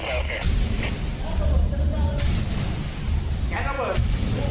เหตุการณ์ร้านมีหลายรูป